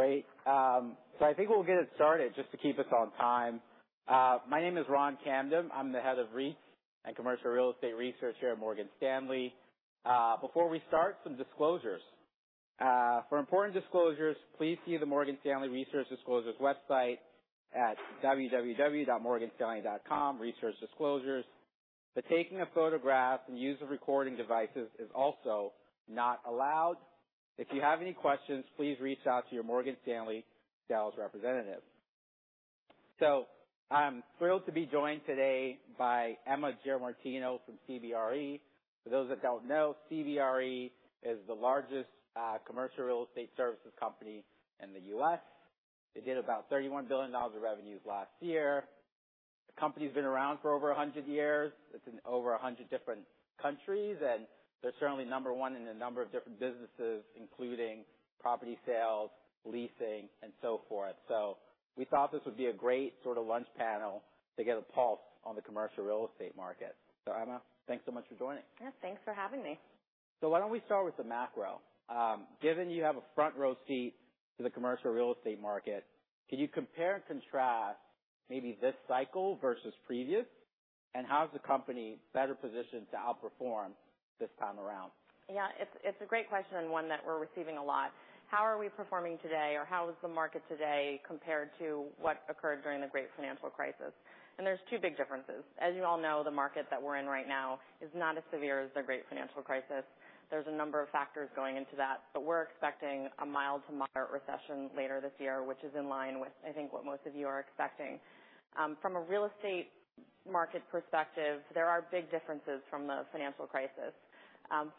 Great. I think we'll get it started just to keep us on time. My name is Ronald Kamdem. I'm the Head of REIT and Commercial Real Estate Research here at Morgan Stanley. Before we start, some disclosures. For important disclosures, please see the Morgan Stanley Research Disclosure's website at www.morganstanley.com/researchdisclosures. The taking of photographs and use of recording devices is also not allowed. If you have any questions, please reach out to your Morgan Stanley sales representative. I'm thrilled to be joined today by Emma Giamartino from CBRE. For those that don't know, CBRE is the largest commercial real estate services company in the U.S. They did about $31 billion of revenues last year. The company's been around for over 100 years. It's in over 100 different countries, and they're certainly number one in a number of different businesses, including property sales, leasing, and so forth. We thought this would be a great sort of lunch panel to get a pulse on the commercial real estate market. Emma, thanks so much for joining. Yeah, thanks for having me. Why don't we start with the macro? Given you have a front row seat to the commercial real estate market, can you compare and contrast maybe this cycle versus previous, and how is the company better positioned to outperform this time around? Yeah, it's a great question, one that we're receiving a lot. How are we performing today, or how is the market today compared to what occurred during the great financial crisis? There's 2 big differences. As you all know, the market that we're in right now is not as severe as the great financial crisis. There's a number of factors going into that. We're expecting a mild to moderate recession later this year, which is in line with, I think, what most of you are expecting. From a real estate market perspective, there are big differences from the financial crisis.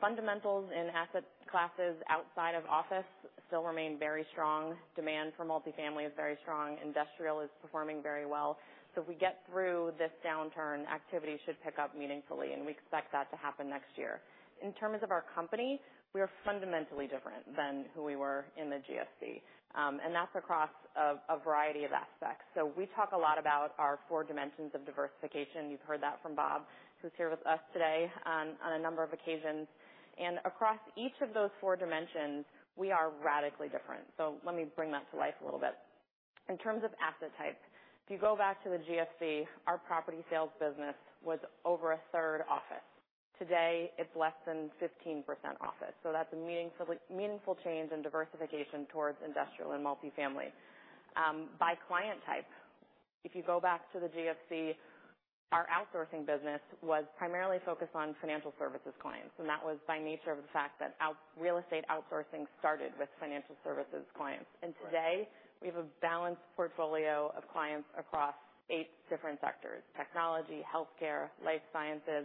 Fundamentals in asset classes outside of office still remain very strong. Demand for multifamily is very strong. Industrial is performing very well. If we get through this downturn, activity should pick up meaningfully. We expect that to happen next year. In terms of our company, we are fundamentally different than who we were in the GFC. That's across a variety of aspects. We talk a lot about our 4 dimensions of diversification. You've heard that from Bob, who's here with us today, on a number of occasions. Across each of those 4 dimensions, we are radically different. Let me bring that to life a little bit. In terms of asset type, if you go back to the GFC, our property sales business was over 1/3 office. Today, it's less than 15% office. That's a meaningful change in diversification towards industrial and multifamily. By client type, if you go back to the GFC, our outsourcing business was primarily focused on financial services clients, that was by nature of the fact that real estate outsourcing started with financial services clients. Today, we have a balanced portfolio of clients across eight different sectors: technology, healthcare, life sciences,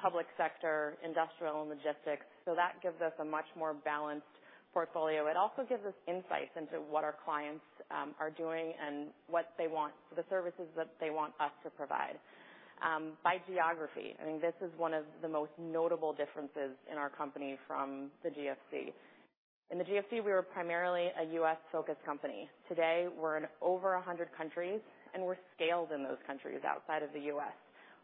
public sector, industrial and logistics. That gives us a much more balanced portfolio. It also gives us insights into what our clients are doing and the services that they want us to provide. By geography, I mean, this is one of the most notable differences in our company from the GFC. In the GFC, we were primarily a U.S.-focused company. Today, we're in over 100 countries, and we're scaled in those countries outside of the U.S.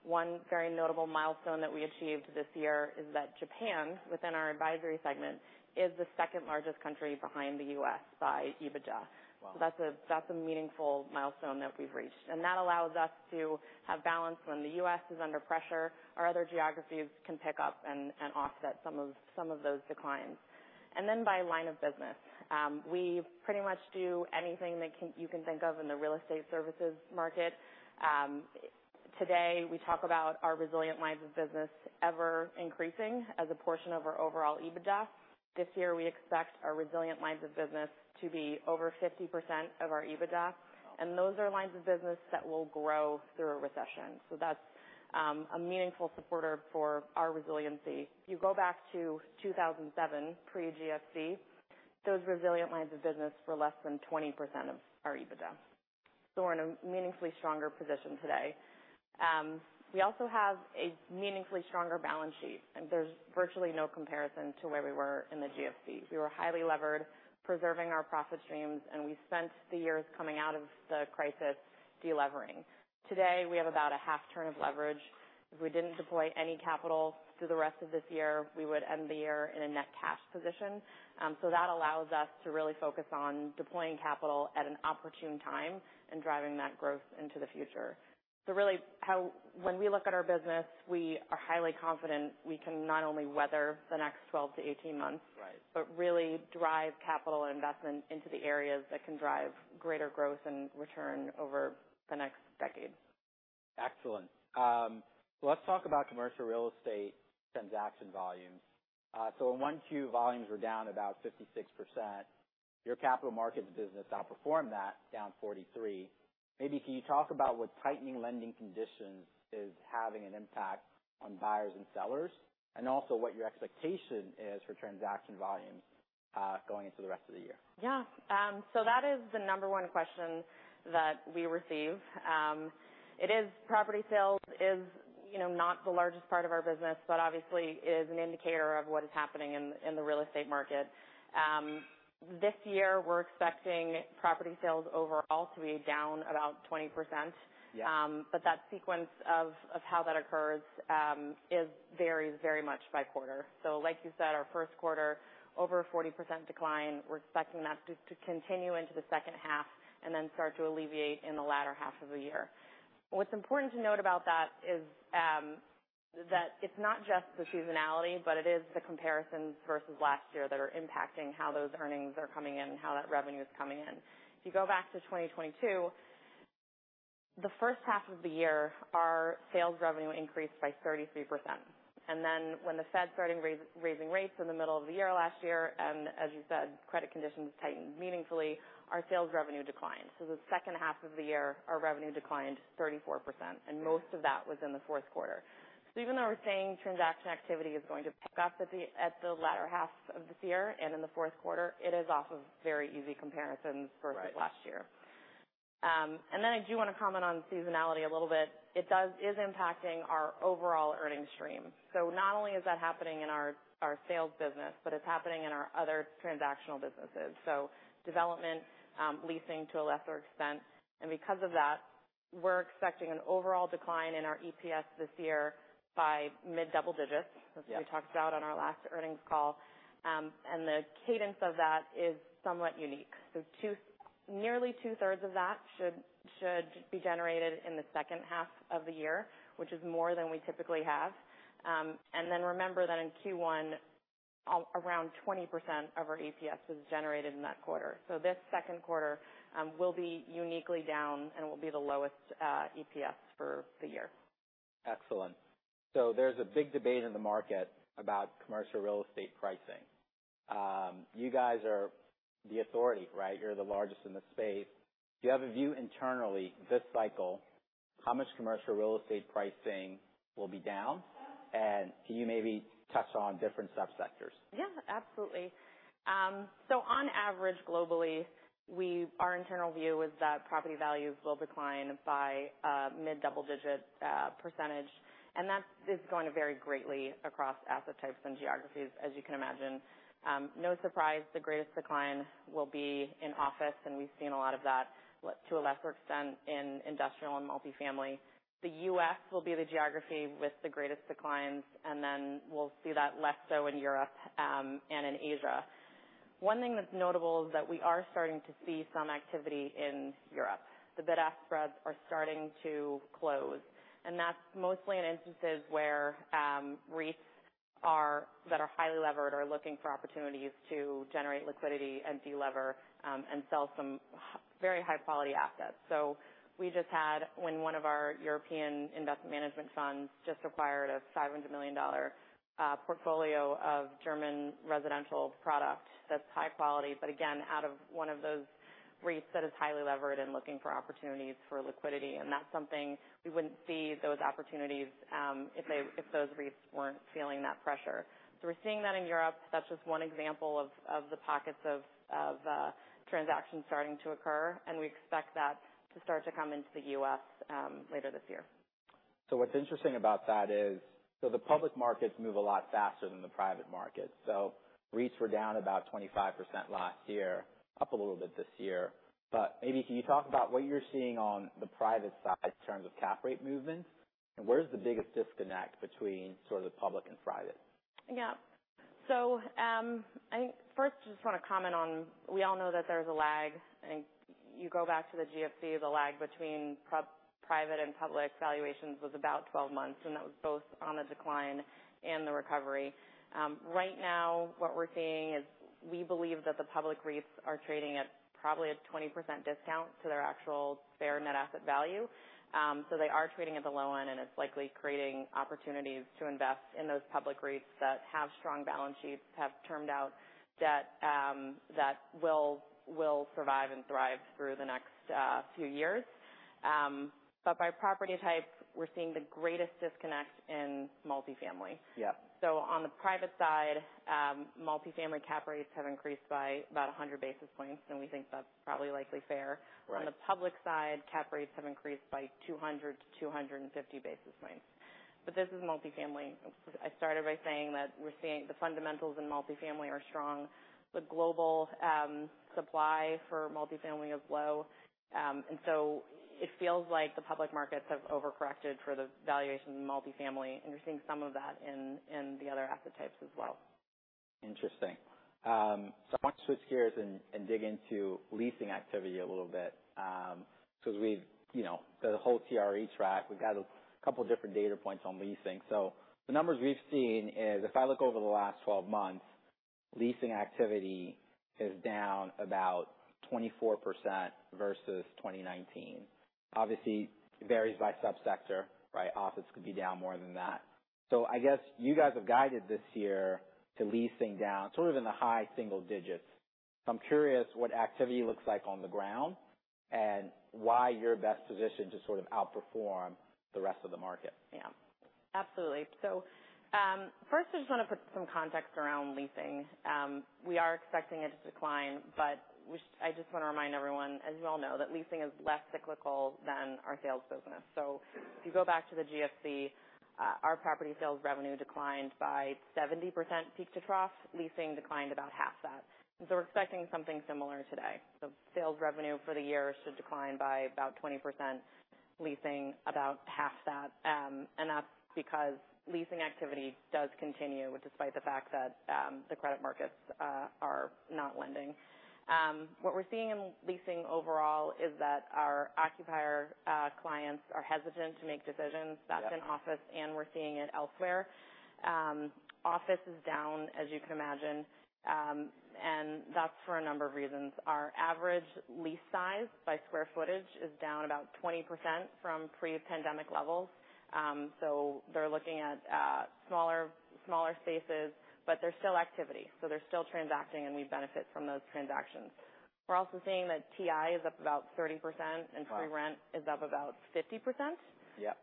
One very notable milestone that we achieved this year is that Japan, within our advisory segment, is the second largest country behind the U.S. by EBITDA. Wow! That's a meaningful milestone that we've reached. That allows us to have balance. When the U.S. is under pressure, our other geographies can pick up and offset some of those declines. By line of business, we pretty much do anything that you can think of in the real estate services market. Today, we talk about our resilient lines of business ever increasing as a portion of our overall EBITDA. This year, we expect our resilient lines of business to be over 50% of our EBITDA. Wow! Those are lines of business that will grow through a recession. That's a meaningful supporter for our resiliency. If you go back to 2007, pre-GFC, those resilient lines of business were less than 20% of our EBITDA. We're in a meaningfully stronger position today. We also have a meaningfully stronger balance sheet, and there's virtually no comparison to where we were in the GFC. We were highly levered, preserving our profit streams, and we spent the years coming out of the crisis delevering. Today, we have about a 0.5 turn of leverage. If we didn't deploy any capital through the rest of this year, we would end the year in a net cash position. That allows us to really focus on deploying capital at an opportune time and driving that growth into the future. Really, when we look at our business, we are highly confident we can not only weather the next 12 to 18 months. Right. Really drive capital investment into the areas that can drive greater growth and return over the next decade. Excellent. Let's talk about commercial real estate transaction volumes. In 1Q, volumes were down about 56%. Your capital markets business outperformed that, down 43%. Maybe can you talk about what tightening lending conditions is having an impact on buyers and sellers, and also what your expectation is for transaction volumes going into the rest of the year? That is the number one question that we receive. It is property sales is, you know, not the largest part of our business, but obviously is an indicator of what is happening in the real estate market. This year, we're expecting property sales overall to be down about 20%. Yeah. That sequence of how that occurs, is varies very much by quarter. Like you said, our first quarter, over a 40% decline. We're expecting that to continue into the second half and then start to alleviate in the latter half of the year. What's important to note about that is that it's not just the seasonality, but it is the comparisons versus last year that are impacting how those earnings are coming in and how that revenue is coming in. If you go back to 2022, the first half of the year, our sales revenue increased by 33%. When the Fed started raising rates in the middle of the year last year, and as you said, credit conditions tightened meaningfully, our sales revenue declined. The second half of the year, our revenue declined 34%, and most of that was in the fourth quarter. Even though we're saying transaction activity is going to pick up at the latter half of this year and in the fourth quarter, it is off of very easy comparisons versus last year. I do want to comment on seasonality a little bit. It is impacting our overall earnings stream. Not only is that happening in our sales business, but it's happening in our other transactional businesses, so development, leasing to a lesser extent. Because of that, we're expecting an overall decline in our EPS this year by mid-double digits, as we talked about on our last earnings call. The cadence of that is somewhat unique. Nearly two-thirds of that should be generated in the second half of the year, which is more than we typically have. Remember that in Q1, around 20% of our EPS is generated in that quarter. This second quarter will be uniquely down and will be the lowest EPS for the year. Excellent. There's a big debate in the market about Commercial Real Estate pricing. You guys are the authority, right? You're the largest in the space. Do you have a view internally this cycle, how much Commercial Real Estate pricing will be down, and can you maybe touch on different subsectors? Yeah, absolutely. On average, globally, our internal view is that property values will decline by a mid-double digit %, and that is going to vary greatly across asset types and geographies, as you can imagine. No surprise, the greatest decline will be in office, and we've seen a lot of that, to a lesser extent, in industrial and multifamily. The U.S. will be the geography with the greatest declines, and then we'll see that less so in Europe, and in Asia. One thing that's notable is that we are starting to see some activity in Europe. The bid-ask spreads are starting to close, and that's mostly in instances where REITs that are highly levered are looking for opportunities to generate liquidity and de-lever, and sell some very high-quality assets. We just had, when one of our European investment management funds just acquired a $700 million portfolio of German residential product, that's high quality, but again, out of one of those REITs that is highly levered and looking for opportunities for liquidity. That's something we wouldn't see those opportunities if they, if those REITs weren't feeling that pressure. We're seeing that in Europe. That's just one example of the pockets of transactions starting to occur, and we expect that to start to come into the U.S. later this year. What's interesting about that is the public markets move a lot faster than the private markets. REITs were down about 25% last year, up a little bit this year. Maybe can you talk about what you're seeing on the private side in terms of cap rate movements? Where's the biggest disconnect between sort of the public and private? Yeah. I think first, I just want to comment on we all know that there's a lag, and you go back to the GFC, the lag between private and public valuations was about 12 months, and that was both on the decline and the recovery. Right now, what we're seeing is we believe that the public REITs are trading at probably a 20% discount to their actual fair net asset value. They are trading at the low end, and it's likely creating opportunities to invest in those public REITs that have strong balance sheets, have termed out debt, that will survive and thrive through the next few years. By property type, we're seeing the greatest disconnect in multifamily. Yeah. On the private side, multifamily cap rates have increased by about 100 basis points, and we think that's probably likely fair. Right. On the public side, cap rates have increased by 200 to 250 basis points. This is multifamily. I started by saying that we're seeing the fundamentals in multifamily are strong. The global supply for multifamily is low. It feels like the public markets have overcorrected for the valuation in multifamily, and we're seeing some of that in the other asset types as well. Interesting. I want to switch gears and dig into leasing activity a little bit. As we've, you know, the whole CRE track, we've got a couple different data points on leasing. The numbers we've seen is if I look over the last 12 months, leasing activity is down about 24% versus 2019. Obviously, it varies by subsector, right? Office could be down more than that. I guess you guys have guided this year to leasing down sort of in the high single digits. I'm curious what activity looks like on the ground and why you're best positioned to sort of outperform the rest of the market. Yeah, absolutely. First, I just want to put some context around leasing. We are expecting it to decline, but I just want to remind everyone, as you all know, that leasing is less cyclical than our sales business. If you go back to the GFC, our property sales revenue declined by 70% peak to trough. Leasing declined about half that. We're expecting something similar today. Sales revenue for the year should decline by about 20% leasing about half that, and that's because leasing activity does continue, despite the fact that the credit markets are not lending. What we're seeing in leasing overall is that our occupier clients are hesitant to make decisions. That's in office, and we're seeing it elsewhere. Office is down, as you can imagine, and that's for a number of reasons. Our average lease size by square footage is down about 20% from pre-pandemic levels. They're looking at, smaller spaces, but there's still activity, so they're still transacting, and we benefit from those transactions. We're also seeing that TI is up about 30%. Wow. free rent is up about 50%. Yeah.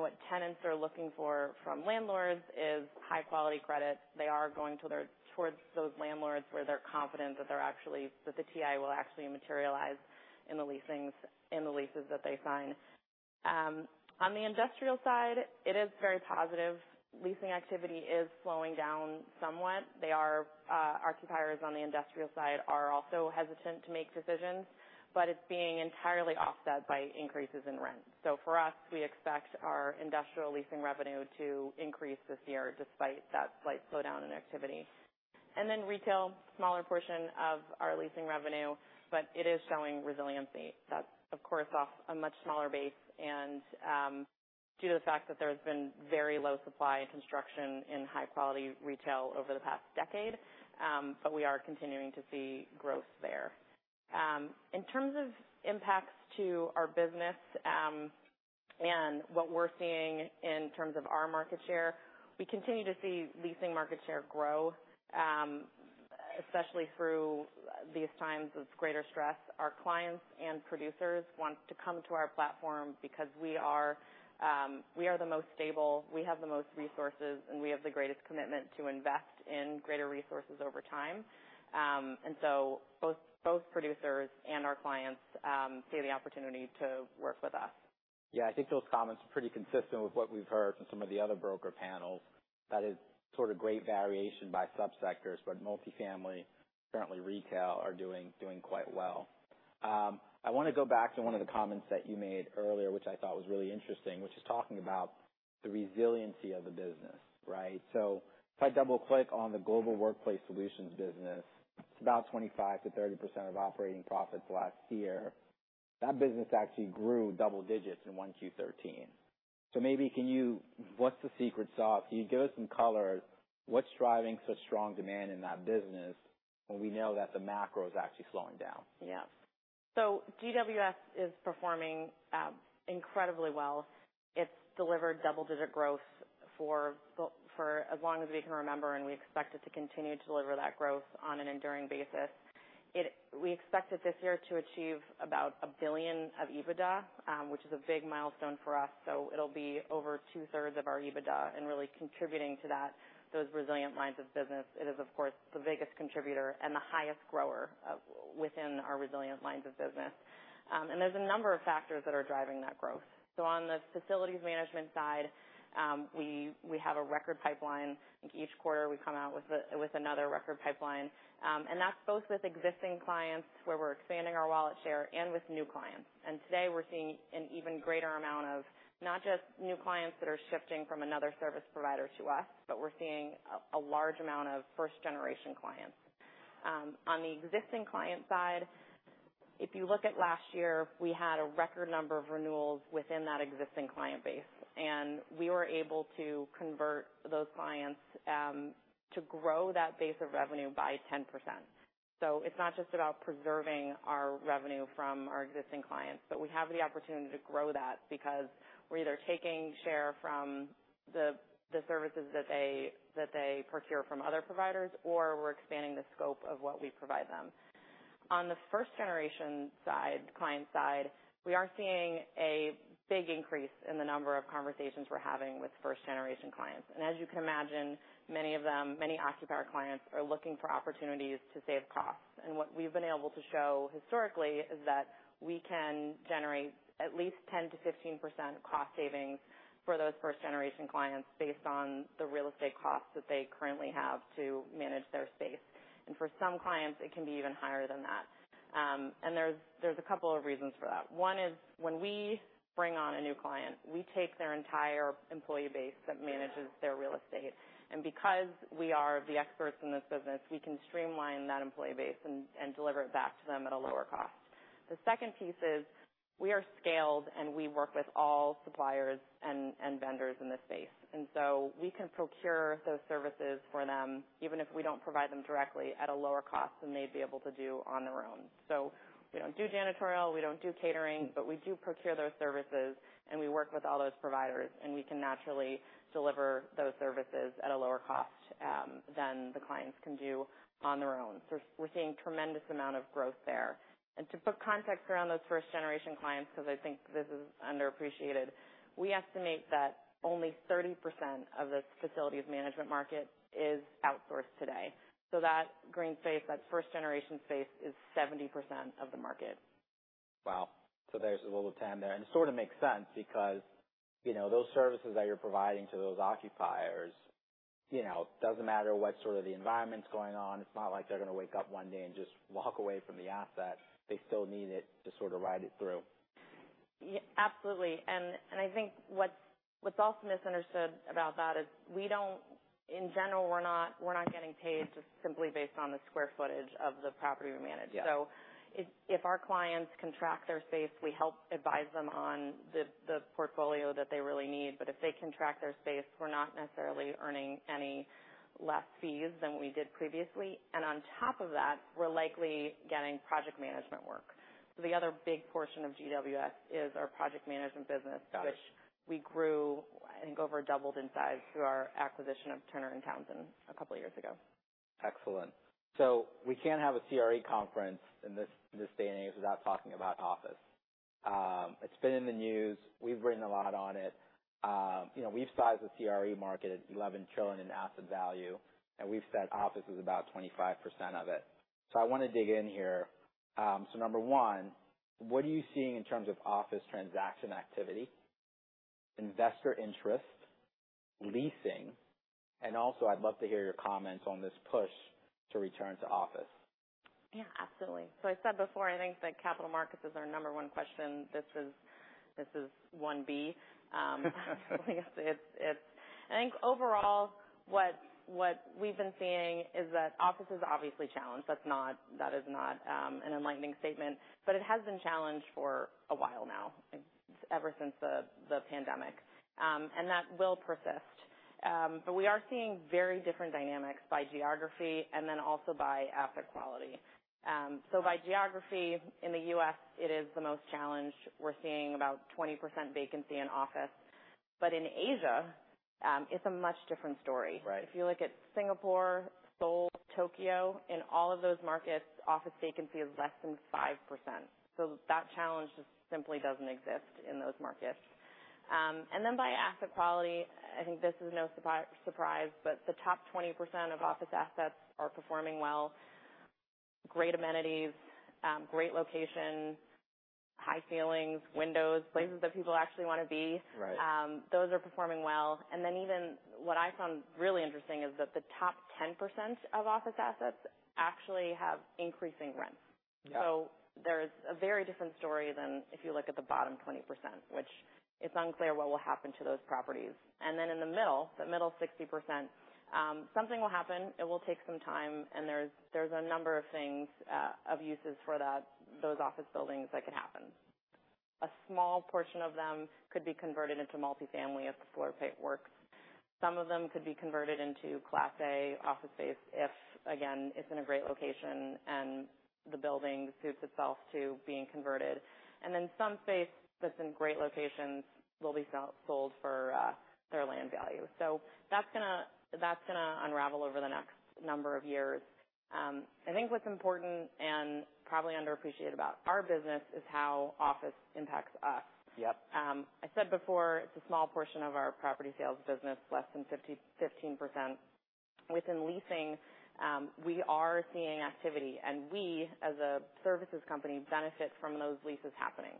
What tenants are looking for from landlords is high-quality credit. They are going towards those landlords where they're confident that they're actually that the TI will actually materialize in the leasings, in the leases that they sign. On the industrial side, it is very positive. Leasing activity is slowing down somewhat. Our occupiers on the industrial side are also hesitant to make decisions, but it's being entirely offset by increases in rent. For us, we expect our industrial leasing revenue to increase this year, despite that slight slowdown in activity. Retail, smaller portion of our leasing revenue, but it is showing resiliency. That's, of course, off a much smaller base, and due to the fact that there has been very low supply in construction in high-quality retail over the past decade, but we are continuing to see growth there. In terms of impacts to our business, and what we're seeing in terms of our market share, we continue to see leasing market share grow, especially through these times of greater stress. Our clients and producers want to come to our platform because we are, we are the most stable, we have the most resources, and we have the greatest commitment to invest in greater resources over time. Both producers and our clients see the opportunity to work with us. I think those comments are pretty consistent with what we've heard from some of the other broker panels. That is sort of great variation by subsectors, but multifamily, currently retail, are doing quite well. I want to go back to one of the comments that you made earlier, which I thought was really interesting, which is talking about the resiliency of the business, right? If I double-click on the Global Workplace Solutions business, it's about 25%-30% of operating profits last year. That business actually grew double digits in 1Q 2013. Maybe what's the secret sauce? Can you give us some color? What's driving such strong demand in that business when we know that the macro is actually slowing down? GWS is performing incredibly well. It's delivered double-digit growth for as long as we can remember, and we expect it to continue to deliver that growth on an enduring basis. We expect it this year to achieve about $1 billion of EBITDA, which is a big milestone for us. It'll be over two-thirds of our EBITDA and really contributing to that, those resilient lines of business. It is, of course, the biggest contributor and the highest grower within our resilient lines of business. There's a number of factors that are driving that growth. On the facilities management side, we have a record pipeline. I think each quarter we come out with another record pipeline, and that's both with existing clients, where we're expanding our wallet share, and with new clients. Today, we're seeing an even greater amount of not just new clients that are shifting from another service provider to us, but we're seeing a large amount of first-generation clients. On the existing client side, if you look at last year, we had a record number of renewals within that existing client base, and we were able to convert those clients to grow that base of revenue by 10%. It's not just about preserving our revenue from our existing clients, but we have the opportunity to grow that because we're either taking share from the services that they procure from other providers, or we're expanding the scope of what we provide them. On the first-generation side, client side, we are seeing a big increase in the number of conversations we're having with first-generation clients. As you can imagine, many of them, many occupier clients, are looking for opportunities to save costs. What we've been able to show historically is that we can generate at least 10%-15% cost savings for those first-generation clients based on the real estate costs that they currently have to manage their space. For some clients, it can be even higher than that. There's a couple of reasons for that. One is when we bring on a new client, we take their entire employee base that manages their real estate. Because we are the experts in this business, we can streamline that employee base and deliver it back to them at a lower cost. The second piece is we are scaled, and we work with all suppliers and vendors in this space. We can procure those services for them, even if we don't provide them directly, at a lower cost than they'd be able to do on their own. We don't do janitorial, we don't do catering, but we do procure those services, and we work with all those providers, and we can naturally deliver those services at a lower cost than the clients can do on their own. We're seeing tremendous amount of growth there. To put context around those first-generation clients, because I think this is underappreciated, we estimate that only 30% of the facilities management market is outsourced today. That green space, that first-generation space, is 70% of the market. Wow. There's a little time there, and it sort of makes sense because, you know, those services that you're providing to those occupiers, you know, doesn't matter what sort of the environment's going on. It's not like they're gonna wake up one day and just walk away from the asset. They still need it to sort of ride it through. Yeah, absolutely. I think what's also misunderstood about that is we don't in general, we're not getting paid just simply based on the square footage of the property we manage. Yeah. If our clients contract their space, we help advise them on the portfolio that they really need. If they contract their space, we're not necessarily earning any less fees than we did previously. On top of that, we're likely getting project management work. The other big portion of GWS is our project management business. Got it. which we grew, I think, over doubled in size through our acquisition of Turner & Townsend a couple of years ago. Excellent. We can't have a CRE conference in this, in this day and age without talking about office. It's been in the news. We've written a lot on it. You know, we've sized the CRE market at $11 trillion in asset value, and we've said office is about 25% of it. I wanna dig in here. Number one, what are you seeing in terms of office transaction activity, investor interest, leasing, and also, I'd love to hear your comments on this push to return to office. Yeah, absolutely. I said before, I think the capital markets is our number one question. This is, this is one B. I guess it's I think overall, what we've been seeing is that office is obviously challenged. That is not an enlightening statement, but it has been challenged for a while now, ever since the pandemic, and that will persist. We are seeing very different dynamics by geography and then also by asset quality. By geography, in the U.S., it is the most challenged. We're seeing about 20% vacancy in office. In Asia, it's a much different story. Right. If you look at Singapore, Seoul, Tokyo, in all of those markets, office vacancy is less than 5%. That challenge just simply doesn't exist in those markets. And then by asset quality, I think this is no surprise, but the top 20% of office assets are performing well. Great amenities, great location, high ceilings, windows, places that people actually wanna be. Right. Those are performing well. Even what I found really interesting is that the top 10% of office assets actually have increasing rents. Yeah. There's a very different story than if you look at the bottom 20%, which it's unclear what will happen to those properties. In the middle, the middle 60%, something will happen. It will take some time, there's a number of things of uses for that, those office buildings that can happen. A small portion of them could be converted into multifamily if the floor plate works. Some of them could be converted into class A office space, if, again, it's in a great location and the building suits itself to being converted. Some space that's in great locations will be sold for their land value. That's gonna unravel over the next number of years. I think what's important and probably underappreciated about our business is how office impacts us. Yep. I said before, it's a small portion of our property sales business, less than 15%. Within leasing, we are seeing activity, and we, as a services company, benefit from those leases happening.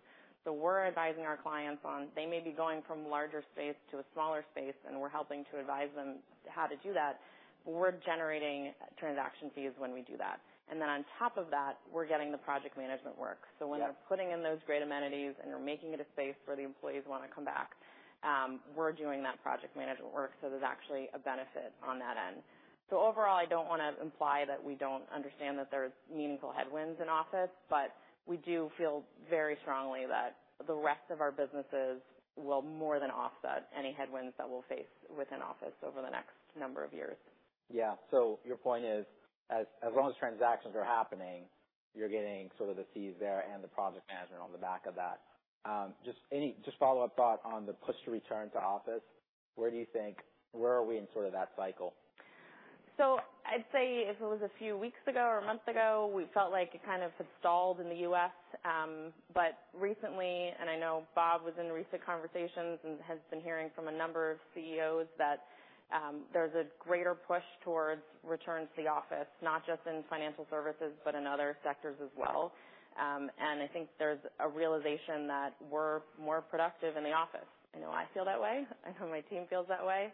We're advising our clients on, they may be going from larger space to a smaller space, and we're helping to advise them how to do that. We're generating transaction fees when we do that. On top of that, we're getting the project management work. Yeah. When they're putting in those great amenities, and they're making it a space where the employees wanna come back, we're doing that project management work, so there's actually a benefit on that end. Overall, I don't wanna imply that we don't understand that there's meaningful headwinds in office, but we do feel very strongly that the rest of our businesses will more than offset any headwinds that we'll face within office over the next number of years. Yeah. Your point is, as long as transactions are happening, you're getting sort of the fees there and the project management on the back of that. just follow-up thought on the push to return to office, where are we in sort of that cycle? I'd say if it was a few weeks ago or a month ago, we felt like it kind of had stalled in the U.S. Recently, and I know Bob was in recent conversations and has been hearing from a number of CEOs, that there's a greater push towards return to the office, not just in financial services, but in other sectors as well. I think there's a realization that we're more productive in the office. I know I feel that way. I know my team feels that way.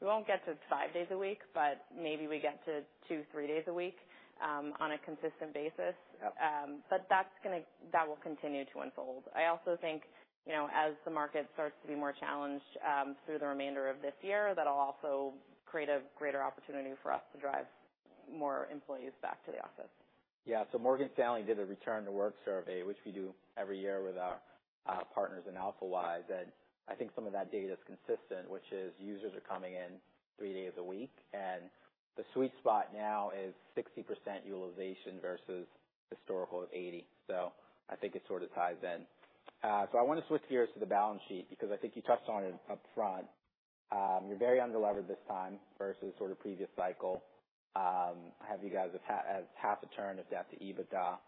We won't get to 5 days a week, but maybe we get to 2, 3 days a week on a consistent basis. Yep. That will continue to unfold. I also think, you know, as the market starts to be more challenged, through the remainder of this year, that'll also create a greater opportunity for us to drive more employees back to the office. Yeah. Morgan Stanley did a return to work survey, which we do every year with our partners in AlphaWise, I think some of that data is consistent, which is users are coming in 3 days a week, the sweet spot now is 60% utilization versus historical of 80. I think it sort of ties in. I want to switch gears to the balance sheet because I think you touched on it upfront. You're very unlevered this time versus sort of previous cycle. I have you guys at half a turn of debt to EBITDA,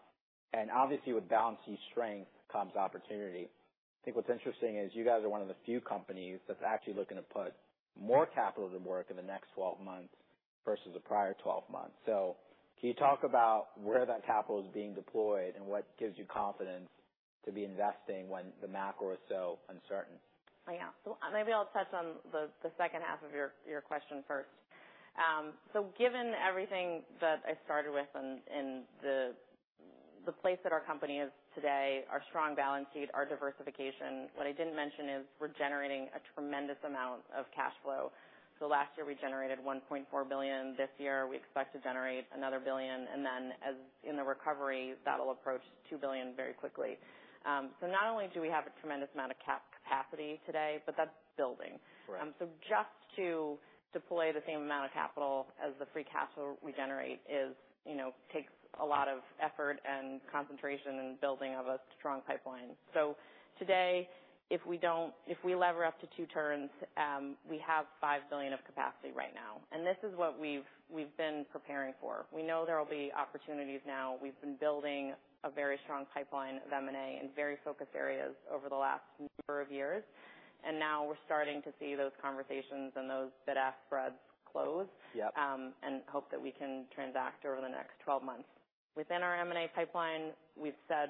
obviously, with balance sheet strength comes opportunity. I think what's interesting is you guys are one of the few companies that's actually looking to put more capital to work in the next 12 months versus the prior 12 months. Can you talk about where that capital is being deployed and what gives you confidence to be investing when the macro is so uncertain? Oh, yeah. Maybe I'll touch on the second half of your question first. Given everything that I started with in the place that our company is today, our strong balance sheet, our diversification, what I didn't mention is we're generating a tremendous amount of cash flow. Last year, we generated $1.4 billion. This year, we expect to generate another $1 billion, and then as in the recovery, that'll approach $2 billion very quickly. Not only do we have a tremendous amount of cap capacity today, but that's building. Right. Just to deploy the same amount of capital as the free capital we generate is, you know, takes a lot of effort and concentration and building of a strong pipeline. Today, if we lever up to 2 turns, we have $5 billion of capacity right now, and this is what we've been preparing for. We know there will be opportunities now. We've been building a very strong pipeline of M&A in very focused areas over the last number of years, and now we're starting to see those conversations and those bid-ask spreads close. Yep. Hope that we can transact over the next 12 months. Within our M&A pipeline, we've said,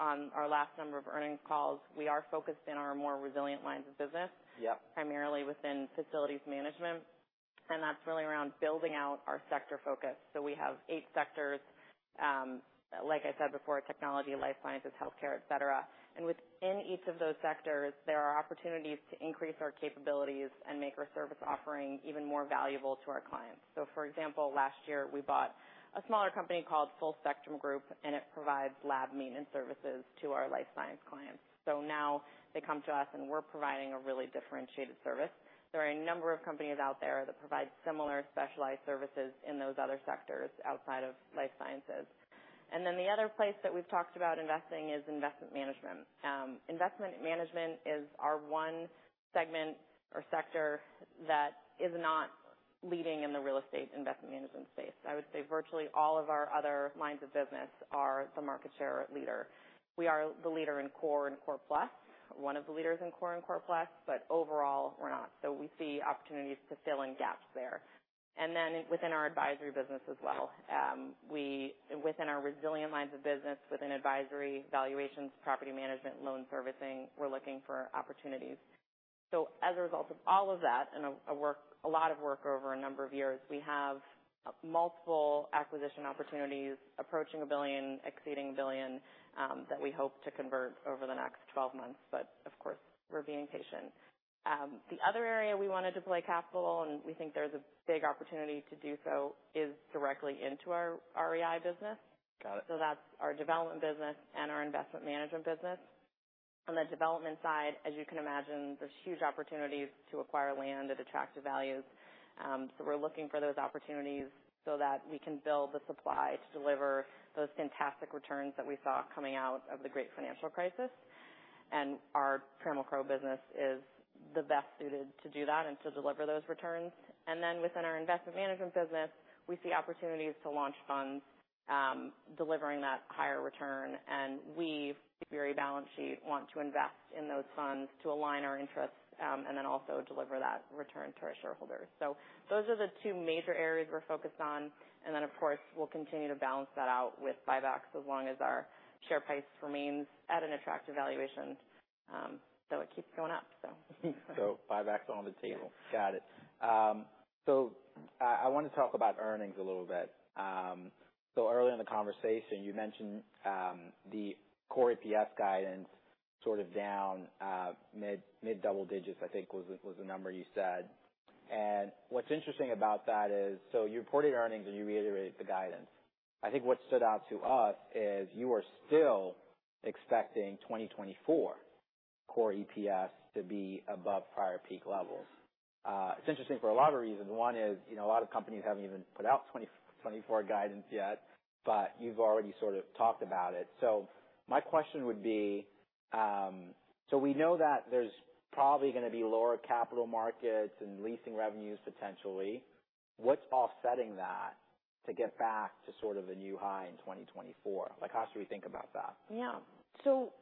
on our last number of earnings calls, we are focused in our more resilient lines of business- Yep. Primarily within facilities management, that's really around building out our sector focus. We have 8 sectors, like I said before, technology, life sciences, healthcare, et cetera. Within each of those sectors, there are opportunities to increase our capabilities and make our service offering even more valuable to our clients. For example, last year, we bought a smaller company called Full Spectrum Group, and it provides lab maintenance services to our life science clients. Now they come to us, and we're providing a really differentiated service. There are a number of companies out there that provide similar specialized services in those other sectors outside of life sciences. The other place that we've talked about investing is investment management. Investment management is our 1 segment or sector that is not leading in the real estate investment management space. I would say virtually all of our other lines of business are the market share leader. We are the leader in core and core plus, one of the leaders in core and core plus, overall we're not. We see opportunities to fill in gaps there. Then within our advisory business as well, within our resilient lines of business, within advisory, valuations, property management, loan servicing, we're looking for opportunities. As a result of all of that and a lot of work over a number of years, we have multiple acquisition opportunities approaching $1 billion, exceeding $1 billion, that we hope to convert over the next 12 months. Of course, we're being patient. The other area we want to deploy capital, and we think there's a big opportunity to do so, is directly into our REI business. Got it. That's our development business and our investment management business. On the development side, as you can imagine, there's huge opportunities to acquire land at attractive values. We're looking for those opportunities so that we can build the supply to deliver those fantastic returns that we saw coming out of the Great Financial Crisis. Our internal growth business is the best suited to do that and to deliver those returns. Within our investment management business, we see opportunities to launch funds, delivering that higher return, and we, given our balance sheet, want to invest in those funds to align our interests, and then also deliver that return to our shareholders. Those are the two major areas we're focused on, and then, of course, we'll continue to balance that out with buybacks as long as our share price remains at an attractive valuation. it keeps going up, so. Buybacks are on the table. Got it. I want to talk about earnings a little bit. Early in the conversation, you mentioned the core EPS guidance sort of down mid-double digits, I think, was the number you said. What's interesting about that is you reported earnings, and you reiterated the guidance. I think what stood out to us is you are still expecting 2024 core EPS to be above prior peak levels. It's interesting for a lot of reasons. One is, you know, a lot of companies haven't even put out 2024 guidance yet, but you've already sort of talked about it. My question would be, we know that there's probably going to be lower capital markets and leasing revenues, potentially. What's offsetting that to get back to sort of a new high in 2024? Like, how should we think about that? Yeah.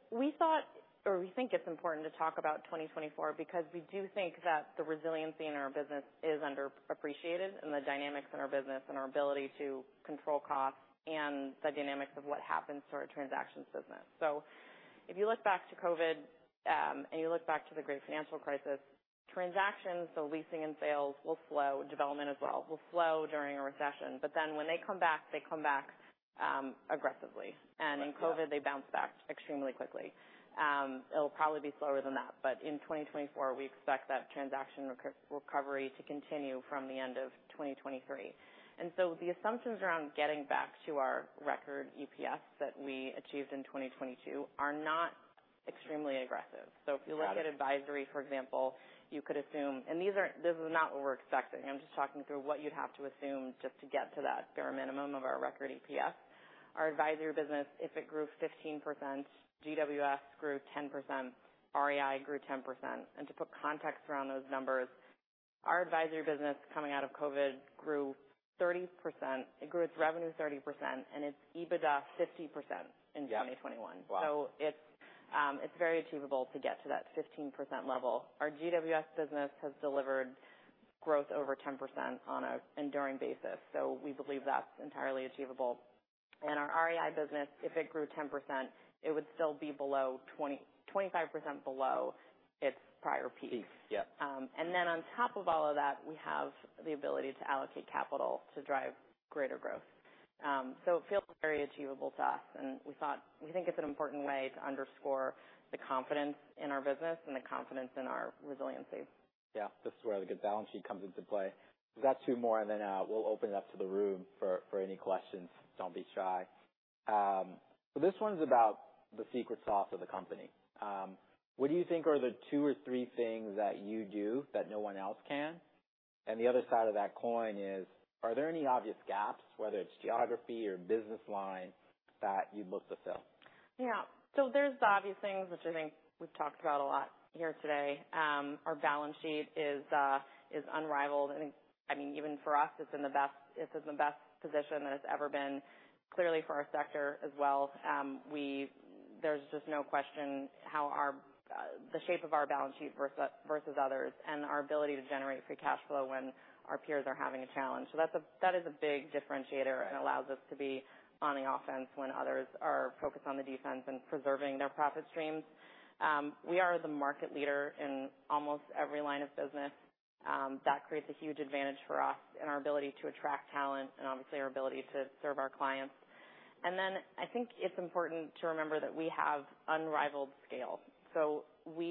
We thought or we think it's important to talk about 2024 because we do think that the resiliency in our business is underappreciated, and the dynamics in our business and our ability to control costs and the dynamics of what happens to our transactions business. If you look back to COVID, and you look back to the Great Financial Crisis, transactions, so leasing and sales will slow. Development as well, will slow during a recession, when they come back, they come back aggressively. Yeah. In COVID, they bounced back extremely quickly. It'll probably be slower than that, but in 2024, we expect that transaction recovery to continue from the end of 2023. The assumptions around getting back to our record EPS that we achieved in 2022 are not extremely aggressive. Got it. If you look at advisory, for example, you could assume... These aren't, this is not what we're expecting. I'm just talking through what you'd have to assume just to get to that bare minimum of our record EPS. Our advisory business, if it grew 15%, GWS grew 10%, REI grew 10%. To put context around those numbers, our advisory business coming out of COVID grew 30%. It grew its revenue 30%, and its EBITDA, 50% in 2021. Wow! It's very achievable to get to that 15% level. Our GWS business has delivered growth over 10% on an enduring basis. We believe that's entirely achievable. Our REI business, if it grew 10%, it would still be below 25% below its prior peak. Peak, yeah. Then on top of all of that, we have the ability to allocate capital to drive greater growth. It feels very achievable to us, and we think it's an important way to underscore the confidence in our business and the confidence in our resiliency. Yeah. This is where the good balance sheet comes into play. We've got two more, and then, we'll open it up to the room for any questions. Don't be shy. This one's about the secret sauce of the company. What do you think are the two or three things that you do that no one else can? The other side of that coin is, are there any obvious gaps, whether it's geography or business line, that you'd look to fill? Yeah. There's the obvious things, which I think we've talked about a lot here today. Our balance sheet is unrivaled. I think, I mean, even for us, it's in the best, it's in the best position that it's ever been. Clearly, for our sector as well, there's just no question how our the shape of our balance sheet versus others, and our ability to generate free cash flow when our peers are having a challenge. That's a, that is a big differentiator and allows us to be on the offense when others are focused on the defense and preserving their profit streams. We are the market leader in almost every line of business. That creates a huge advantage for us in our ability to attract talent and obviously our ability to serve our clients. I think it's important to remember that we have unrivaled scale.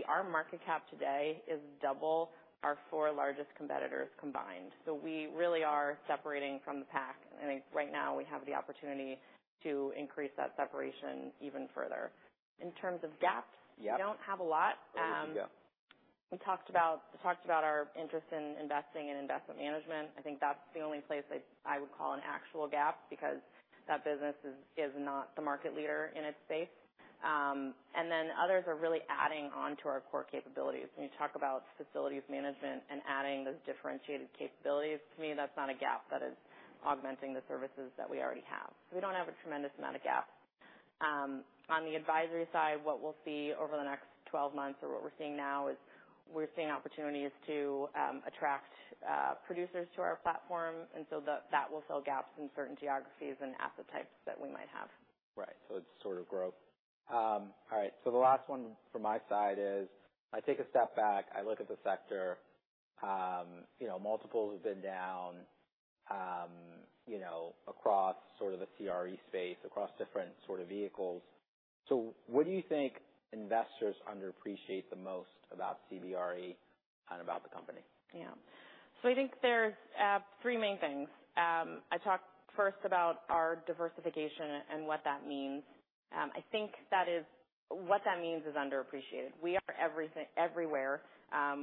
Our market cap today is double our four largest competitors combined. We really are separating from the pack, and I think right now we have the opportunity to increase that separation even further. In terms of gaps. Yeah. we don't have a lot. There you go. We talked about our interest in investing in investment management. I think that's the only place I would call an actual gap, because that business is not the market leader in its space. And then others are really adding on to our core capabilities. When you talk about facilities management and adding those differentiated capabilities, to me, that's not a gap. That is augmenting the services that we already have. We don't have a tremendous amount of gap. On the advisory side, what we'll see over the next 12 months or what we're seeing now is we're seeing opportunities to attract producers to our platform, and so that will fill gaps in certain geographies and asset types that we might have. Right. It's sort of growth. All right, the last one from my side is, I take a step back, I look at the sector, you know, multiples have been down, you know, across sort of the CRE space, across different sort of vehicles. What do you think investors underappreciate the most about CBRE and about the company? Yeah. I think there's three main things. I talked first about our diversification and what that means. I think what that means is underappreciated. We are everything, everywhere.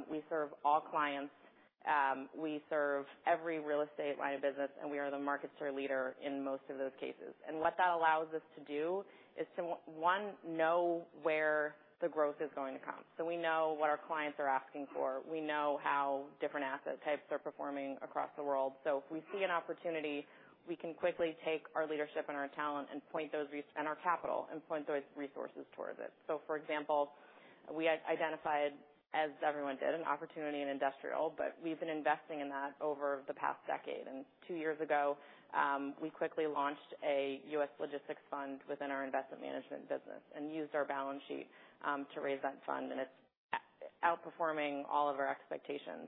We serve all clients. We serve every real estate line of business, and we are the market share leader in most of those cases. What that allows us to do is to, one, know where the growth is going to come. We know what our clients are asking for. We know how different asset types are performing across the world. If we see an opportunity, we can quickly take our leadership and our talent and point those and our capital, and point those resources towards it. For example, we identified, as everyone did, an opportunity in industrial, but we've been investing in that over the past decade. Two years ago, we quickly launched a U.S. logistics fund within our investment management business and used our balance sheet to raise that fund, and it's outperforming all of our expectations.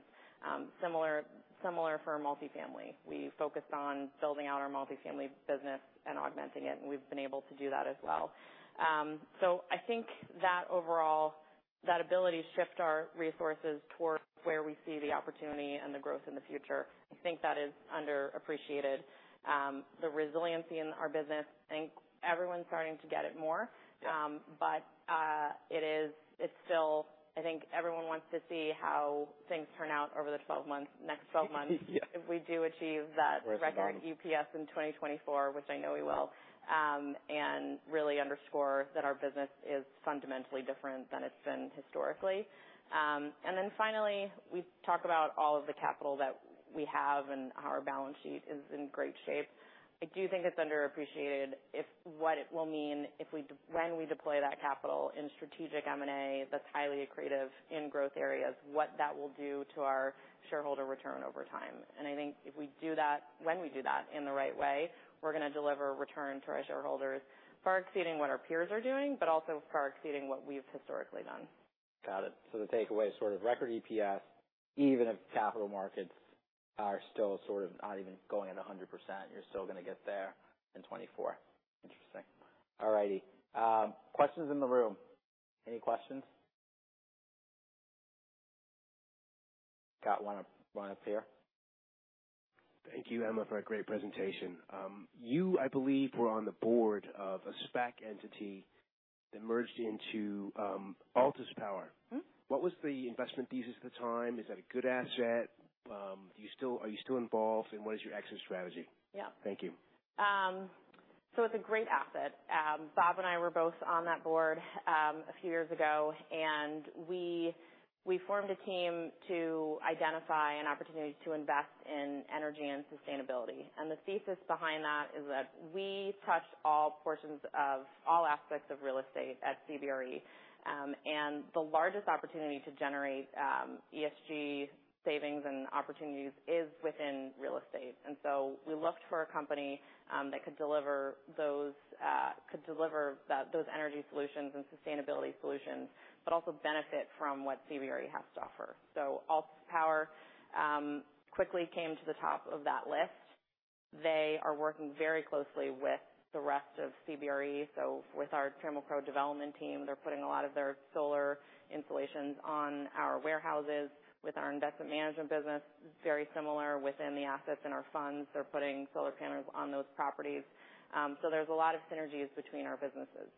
Similar for our multifamily. We focused on building out our multifamily business and augmenting it, and we've been able to do that as well. I think that overall, that ability to shift our resources towards where we see the opportunity and the growth in the future, I think that is underappreciated. The resiliency in our business, I think everyone's starting to get it more. Yeah. It's still. I think everyone wants to see how things turn out over the 12 months, next 12 months. Yeah. If we do achieve that. Course. Record EPS in 2024, which I know we will, and really underscore that our business is fundamentally different than it's been historically. Then finally, we talk about all of the capital that we have, and how our balance sheet is in great shape. I do think it's underappreciated, what it will mean, when we deploy that capital in strategic M&A, that's highly accretive in growth areas, what that will do to our shareholder return over time. I think if we do that, when we do that in the right way, we're going to deliver return to our shareholders, far exceeding what our peers are doing, but also far exceeding what we've historically done. Got it. The takeaway, sort of record EPS, even if capital markets are still sort of not even going at 100%, you're still going to get there in 2024. Interesting. All righty. Questions in the room. Any questions? Got one up here. Thank you, Emma, for a great presentation. You, I believe, were on the board of a SPAC entity that merged into Altus Power. Mm-hmm. What was the investment thesis at the time? Is that a good asset? Are you still involved, and what is your exit strategy? Yeah. Thank you. It's a great asset. Bob and I were both on that board, a few years ago, and we formed a team to identify an opportunity to invest in energy and sustainability. The thesis behind that is that we touch all portions of all aspects of real estate at CBRE, and the largest opportunity to generate ESG savings and opportunities is within real estate. We looked for a company that could deliver those, could deliver that, those energy solutions and sustainability solutions, but also benefit from what CBRE has to offer. Altus Power quickly came to the top of that list. They are working very closely with the rest of CBRE, so with our Trammell Crow Company development team, they're putting a lot of their solar installations on our warehouses. With our investment management business, very similar within the assets in our funds, they're putting solar panels on those properties. There's a lot of synergies between our businesses.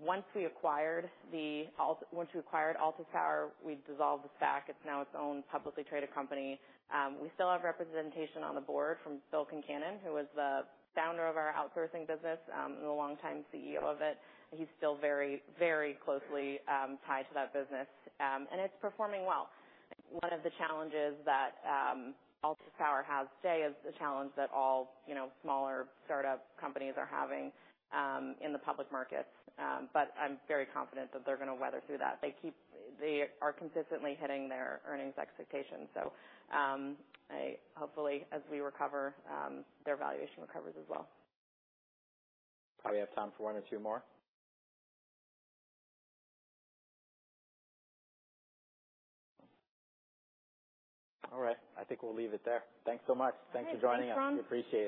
Once we acquired Altus Power, we dissolved the SPAC. It's now its own publicly traded company. We still have representation on the board from Bill Concannon, who was the founder of our outsourcing business, and a longtime CEO of it. He's still very, very closely tied to that business, and it's performing well. One of the challenges that Altus Power has today is the challenge that all, you know, smaller start-up companies are having in the public markets. I'm very confident that they're going to weather through that. They are consistently hitting their earnings expectations, so, hopefully, as we recover, their valuation recovers as well. Probably have time for one or two more. I think we'll leave it there. Thanks so much. Great. Thanks for joining us. Thanks, Sean. We appreciate it.